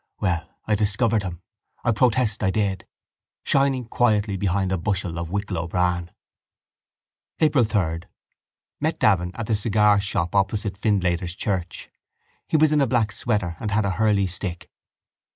Well, I discovered him. I protest I did. Shining quietly behind a bushel of Wicklow bran. April 3. Met Davin at the cigar shop opposite Findlater's church. He was in a black sweater and had a hurley stick.